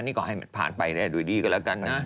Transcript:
นี่ก็ให้มันพาลไปด้วยดีกันละกันน่ะ